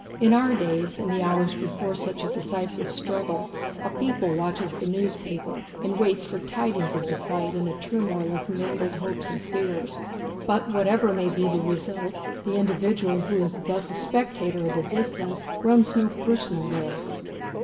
In our days, in the hours before such a decisive struggle a people watches the newspapers, and waits for tidings of the fight in a turmoil of mingled hopes and fears. But whatever may be the result the individual, who is thus a spectator at a distance, runs no personal risks.